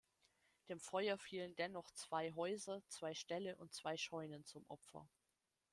Dem Feuer fielen dennoch zwei Häuser, zwei Ställe und zwei Scheunen zum Opfer.